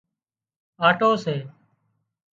آٽو سي